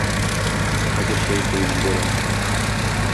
Хәзер чәй куеп җибәрәм.